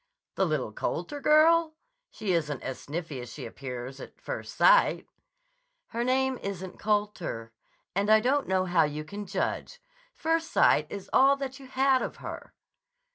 "The little Colter girl? She isn't as sniffy as she appears at first sight." "Her name isn't Colter. And I don't know how you can judge. First sight is all that you had of her."